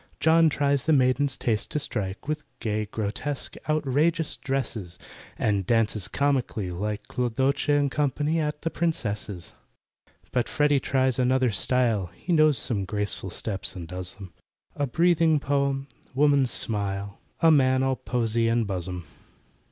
JOHN tries the maiden's taste to strike With gay, grotesque, outrageous dresses, And dances comically, like CLODOCHE AND CO., at the Princess's. But FREDDY tries another style, He knows some graceful steps and does 'em— A breathing Poem—Woman's smile— A man all poesy and buzzem.